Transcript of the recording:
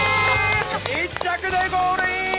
１着でゴールイン！